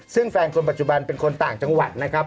ซึ่งแฟนคนปัจจุบันเป็นคนต่างจังหวัดนะครับ